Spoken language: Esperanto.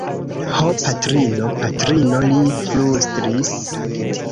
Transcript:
Ho patrino, patrino! li flustris.